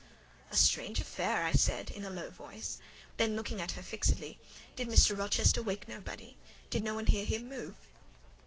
"A strange affair!" I said, in a low voice: then, looking at her fixedly—"Did Mr. Rochester wake nobody? Did no one hear him move?"